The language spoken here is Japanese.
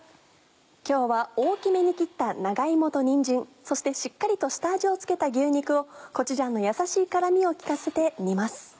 今日は大きめに切った長芋とにんじんそしてしっかりと下味を付けた牛肉をコチュジャンのやさしい辛みを利かせて煮ます。